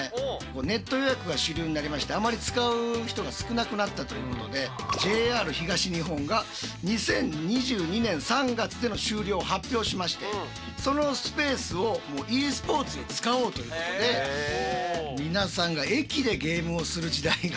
ネット予約が主流になりましてあまり使う人が少なくなったということでＪＲ東日本が２０２２年３月での終了を発表しましてそのスペースをｅスポーツに使おうということで皆さんが駅でゲームをする時代が。